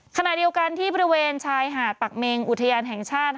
ขณะเดียวกันที่บริเวณชายหาดปักเมงอุทยานแห่งชาติ